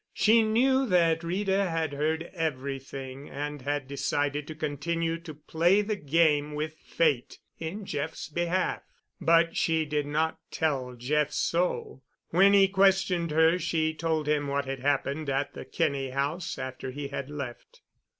She knew that Rita had heard everything and had decided to continue to play the game with Fate in Jeff's behalf. But she did not tell Jeff so. When he questioned her she told him what had happened at the Kinney House after he had left.